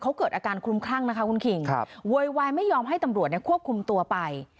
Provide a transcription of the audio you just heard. เขาเกิดอาการคลุมคลั่งนะคะคุณคิงโวยวายไม่ยอมให้ตำรวจควบคุมตัวไป